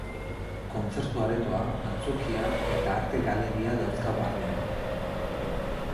Kontzertu aretoa, antzokia eta arte galeria dauzka barnean.